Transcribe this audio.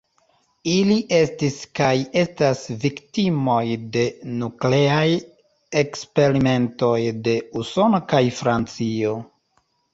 Ili estis kaj estas viktimoj de nukleaj eksperimentoj de Usono kaj Francio.